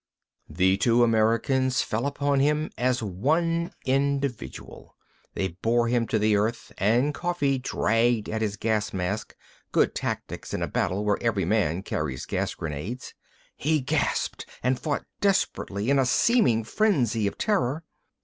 The two Americans fell upon him as one individual. They bore him to the earth and Coffee dragged at his gas mask, good tactics in a battle where every man carries gas grenades. He gasped and fought desperately, in a seeming frenzy of terror.